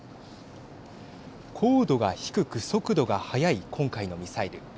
高度が低く速度が速い今回のミサイル。